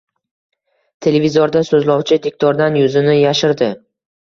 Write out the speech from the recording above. Televizorda so‘zlovchi diktordan... yuzini yashirdi.